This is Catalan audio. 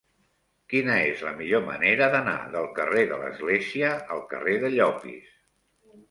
Quina és la millor manera d'anar del carrer de l'Església al carrer de Llopis?